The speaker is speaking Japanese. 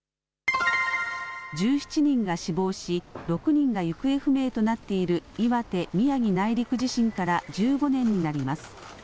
１７人が死亡し、６人が行方不明となっている岩手・宮城内陸地震から１５年になります。